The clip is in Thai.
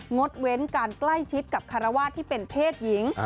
ดเว้นการใกล้ชิดกับคารวาสที่เป็นเพศหญิง